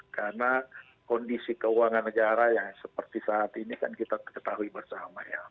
karena kondisi keuangan negara yang seperti saat ini kan kita ketahui bersama ya